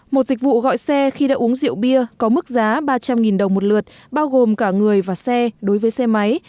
một dịch vụ gọi xe khi đã uống rượu bia có mức giá ba trăm linh đồng một lượt bao gồm cả người và xe đối với xe máy